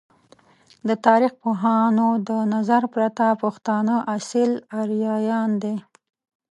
د تاریخ پوهانو د نظر پرته ، پښتانه اصیل آریایان دی!